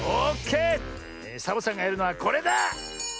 サボさんがやるのはこれだ！